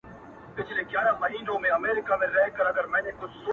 دلته خواران ټوله وي دلته ليوني ورانوي.